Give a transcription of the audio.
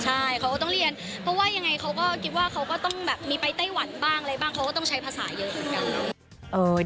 ใช่เขาก็ต้องเรียนเพราะว่ายังไงเขาก็คิดว่าเขาก็ต้องแบบมีไปไต้หวันบ้างอะไรบ้างเขาก็ต้องใช้ภาษาเยอะเหมือนกัน